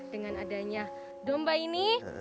dengan adanya domba ini